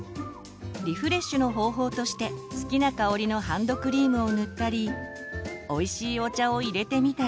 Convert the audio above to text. リフレッシュの方法として好きな香りのハンドクリームを塗ったりおいしいお茶をいれてみたり。